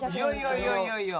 いやいやいやいや。